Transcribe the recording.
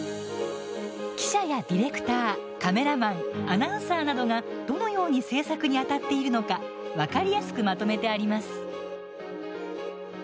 記者やディレクターカメラマン、アナウンサーなどがどのように制作にあたっているのか分かりやすくまとめてあります。